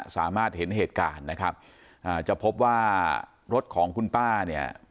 สามารถเห็นเหตุการณ์นะครับอ่าจะพบว่ารถของคุณป้าเนี่ย